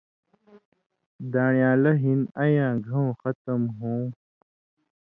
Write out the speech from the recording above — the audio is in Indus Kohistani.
دان٘ڑیالہ ہِن اَین٘یاں گھؤں ختم ہوں